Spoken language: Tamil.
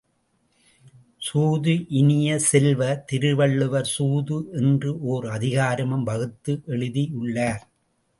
சூது இனிய செல்வ, திருவள்ளுவர் சூது என்று ஓர் அதிகாரமும் வகுத்து எழுதியுள்ளார்.